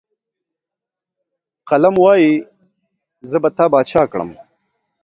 قلم وايي، زه به تا باچا کړم.